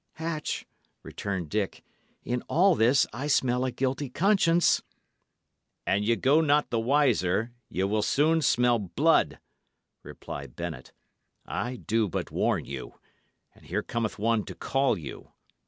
"Hatch," returned Dick, "in all this I smell a guilty conscience." "An ye go not the wiser, ye will soon smell blood," replied Bennet. "I do but warn you. And here cometh one to call you."